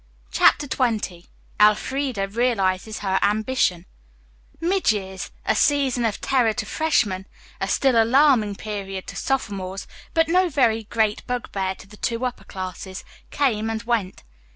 CHAPTER XX ELFREDA REALIZES HER AMBITION Midyears, a season of terror to freshmen, a still alarming period to sophomores, but no very great bugbear to the two upper classes, came and went.